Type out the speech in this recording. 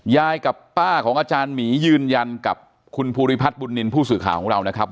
ยายกับป้าของอาจารย์หมียืนยันกับคุณภูริพัฒน์บุญนินทร์ผู้สื่อข่าวของเรานะครับ